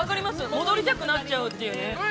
戻りたくなっちゃうというね。